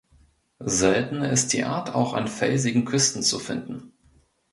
Seltener ist die Art auch an felsigen Küsten zu finden.